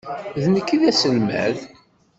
D nekk ay d aselmad.